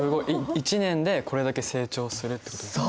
１年でこれだけ成長するってことですか？